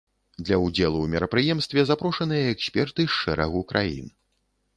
Для ўдзелу ў мерапрыемстве запрошаныя эксперты з шэрагу краін.